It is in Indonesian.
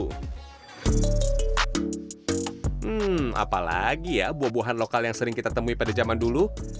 hmm apalagi ya buah buahan lokal yang sering kita temui pada zaman dulu